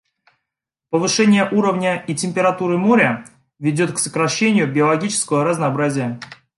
Повышение уровня и температуры моря ведет к сокращению биологического разнообразия.